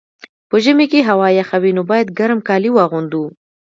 په ژمي کي هوا یخه وي، نو باید ګرم کالي واغوندو.